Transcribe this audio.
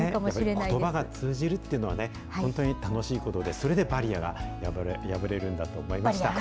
ことばが通じるっていうのはね、本当に楽しいことで、それでバリアが破れるんだと思いました。